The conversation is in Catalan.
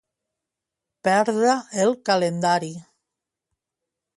Perdre el calendari.